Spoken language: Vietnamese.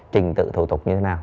trình tự thủ tục như thế nào